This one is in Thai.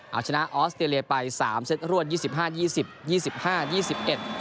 เอาชนะออสเตรเลียไป๓เซตรวร๒๕๒๐